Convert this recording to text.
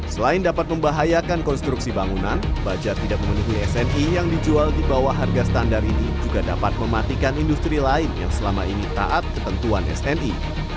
selain dapat membahayakan konstruksi bangunan baja tidak memenuhi sni yang dijual di bawah harga standar ini juga dapat mematikan industri lain yang selama ini taat ketentuan sni